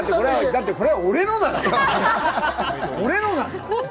だってこれ、俺のなの。